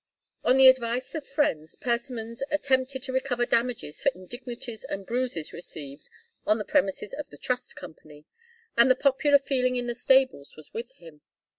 On the advice of friends, Persimmons attempted to recover damages for indignities and bruises received on the premises of the Trust Company, and the popular feeling in the stables was with him.